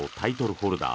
ホルダー